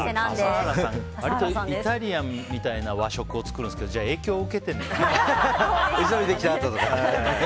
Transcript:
笠原さん割とイタリアンみたいな和食を作るんですけどじゃあ影響受けてるのかな。